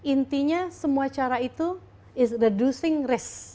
intinya semua cara itu is reducing risk